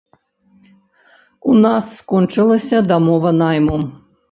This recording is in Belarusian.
У нас скончылася дамова найму.